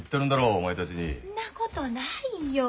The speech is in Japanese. んなことないよ。